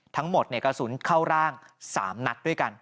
ทั้งหมดในกระสุนเข้าร่าง๓นัดด้วยกัน